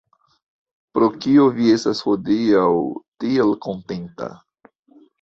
Pro kio vi estas hodiaŭ tiel kontenta?